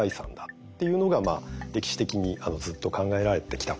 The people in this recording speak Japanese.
っていうのが歴史的にずっと考えられてきたことなんですよね。